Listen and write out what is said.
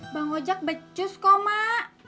bang ojek becus kok mak